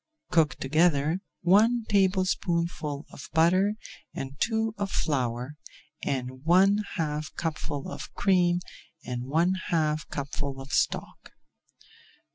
Cook together one tablespoonful of butter and two of flour, and add one half cupful of cream and one half cupful of stock.